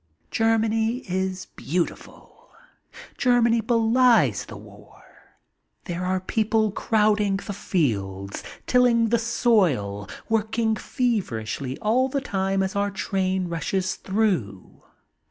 Germany is beautiful. Germany belies the war. There are people crowding the fields, tilling the soil, working fever ishly all the time as our train rushes through.